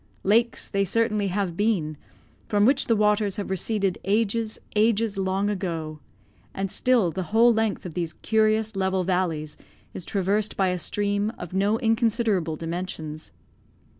Lakes they certainly have been, from which the waters have receded, "ages, ages long ago"; and still the whole length of these curious level valleys is traversed by a stream, of no inconsiderable dimensions.